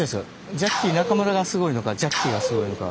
ジャッキー中村がすごいのかジャッキがすごいのか。